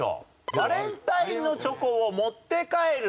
バレンタインのチョコを持って帰る。